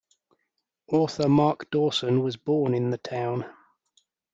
Author Mark Dawson was born in the town.